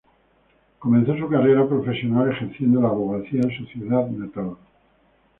Comenzó su carrera profesional ejerciendo la abogacía en su ciudad natal.